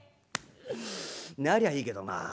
なりゃいいけどなあ。